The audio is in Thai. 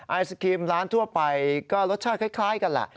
ไอศครีมร้านทั่วไปก็รสชาติคล้ายกันแหละ